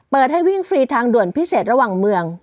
ให้วิ่งฟรีทางด่วนพิเศษระหว่างเมือง